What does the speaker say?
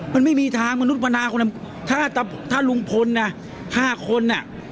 มันไม่มีทางมนุษย์มนาคนถ้าลุงพล๕คน